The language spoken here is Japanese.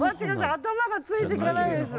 頭がついていかないです。